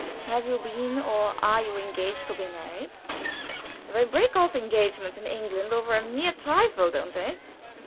Have you been or are you engaged to be married? They break off engagements in England for a mere trifle, don't they?